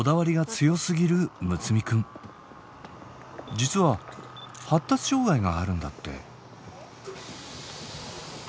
実は発達障害があるんだって。